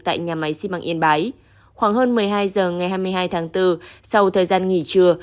tại nhà máy xi măng yên bái khoảng hơn một mươi hai h ngày hai mươi hai tháng bốn sau thời gian nghỉ trưa